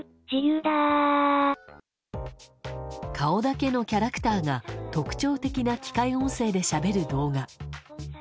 顔だけのキャラクターが特徴的な機械音声でしゃべる動画。